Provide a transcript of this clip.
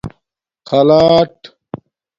خلاٹ